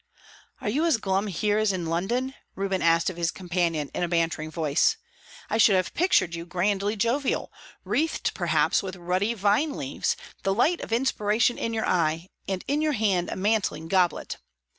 "Are you as glum here as in London?" Reuben asked of his companion, in a bantering voice. "I should have pictured you grandly jovial, wreathed perhaps with ruddy vine leaves, the light of inspiration in your eye, and in your hand a mantling goblet!